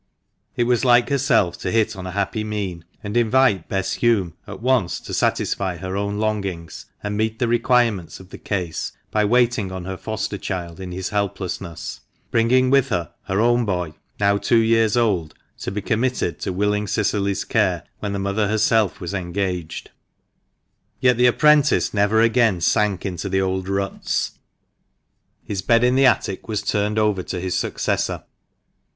It was like herself to hit on a happy mean, and invite Bess Hulme at once to satisfy her own longings, and meet the requirements of the case, by waiting on her foster child in his helplessness, bringing with her her own boy, now two years old, to be committed to willing Cicily's care when the mother was herself engaged. HOUSE OF JOSHUA BROOKES. 206 THE MANCHESTER MAN. Yet the apprentice never again sank into the old ruts. His bed in the attic was turned over to his successor.